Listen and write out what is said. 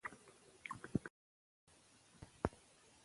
د خوړو پاکې چړې وکاروئ.